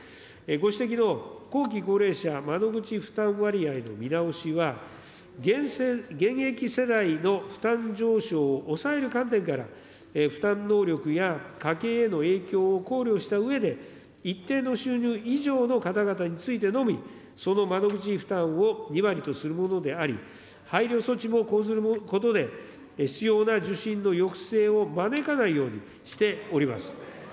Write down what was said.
ご指摘の後期高齢者窓口負担割合の見直しは、現役世代の負担上昇を抑える観点から、負担能力や家計への影響を考慮したうえで、一定の収入以上の方々についてのみ、その窓口負担を２割とするものであり、配慮措置も講ずることで、必要な受診の抑制を招かないようにしております。